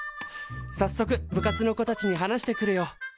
さっそく部活の子たちに話してくるよ。